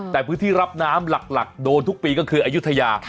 แต่พื้นที่รับน้ำหลักโดนทุกปีก็คืออายุทยา